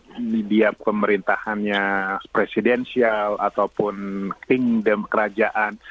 mau di diap pemerintahannya presidensial ataupun kingdom kerajaan